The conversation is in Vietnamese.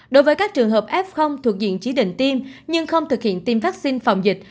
đối với các trường hợp f thuộc diện chỉ định tiêm nhưng không thực hiện tiêm vaccine phòng dịch